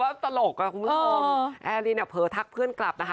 แล้วก็ตลกคุณผู้ชมแอลลินเนี่ยเผลอทักเพื่อนกลับนะคะ